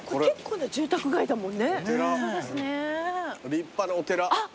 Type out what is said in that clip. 立派なお寺。